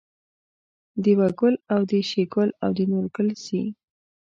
دېوه ګل او د شیګل او د نورګل سي